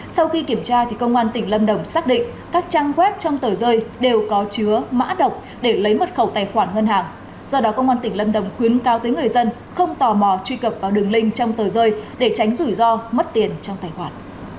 sau khi kiểm tra công an tỉnh lâm đồng xác định các trang web trong tờ rơi đều có chứa mã độc để lấy mật khẩu tài khoản ngân hàng do đó công an tỉnh lâm đồng khuyến cao tới người dân không tò mò truy cập vào đường link trong tờ rơi để tránh rủi ro mất tiền trong tài khoản